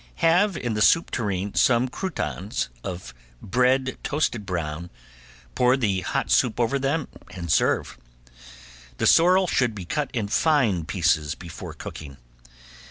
Have in the soup tureen some croutons of bread toasted brown, pour the hot soup over them and serve. The sorrel should be cut in fine pieces before cooking.